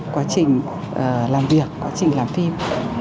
quá trình làm việc quá trình làm phim